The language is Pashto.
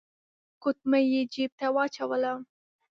ګوتمۍ يې جيب ته واچولې.